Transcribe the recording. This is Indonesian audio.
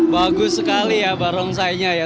bagus sekali ya barongsainya